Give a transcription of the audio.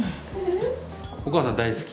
お母さん大好き？